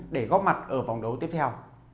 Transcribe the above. để góp mặt ở vòng đấu tiếp theo